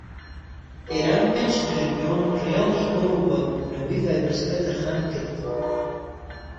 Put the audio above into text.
ئێران پێنج تریلۆن ڕیالی بۆ ڕووبەڕوو بوونەوەی ڤایرۆسەکە تەرخانکرد.